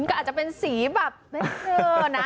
อาจจะเป็นสีแบบไซเตอร์นะ